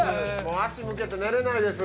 足向けて寝られないです。